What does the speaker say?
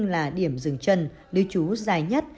là điểm dừng chân lưu trú dài nhất